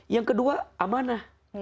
yang kedua amanah